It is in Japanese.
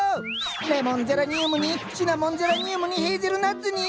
レモンゼラニウムにシナモンゼラニウムにヘーゼルナッツに。